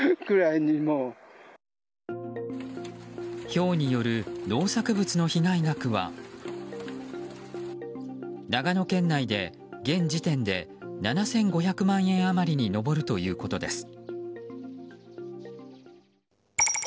ひょうによる農作物の被害額は長野県内で現時点で７５００万円余りに上るということです。